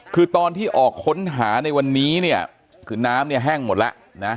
คือตอนที่ออกค้นหาในวันนี้เนี่ยคือน้ำเนี่ยแห้งหมดแล้วนะ